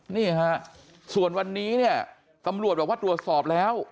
นี่ฮะส่วนวันนี้เนี่ยตำรวจบอกว่าตรวจสอบแล้ว